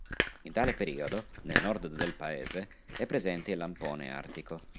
In tale periodo, nel nord del paese, è presente il lampone artico.